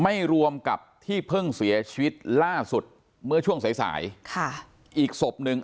ไม่รวมกับที่เพิ่งเสียชีวิตล่าสุดเมื่อช่วงสายสายค่ะอีกศพหนึ่ง